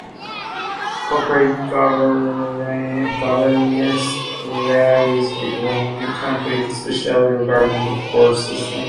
Corporate governance varies between countries, especially regarding the board system.